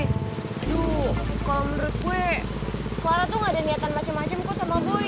aduh kalau menurut gue kuara tuh gak ada niatan macem macem kok sama boy